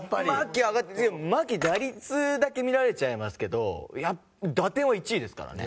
牧打率だけ見られちゃいますけど打点は１位ですからね。